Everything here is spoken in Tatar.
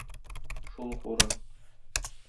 Шул ук урын.